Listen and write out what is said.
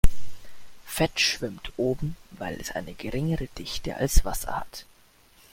Fett schwimmt oben, weil es eine geringere Dichte als Wasser hat.